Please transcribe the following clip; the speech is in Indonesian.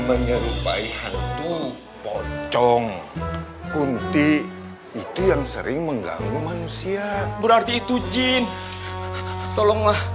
menyerupai hantu poncong kuntik itu yang sering mengganggu manusia berarti itu jin tolonglah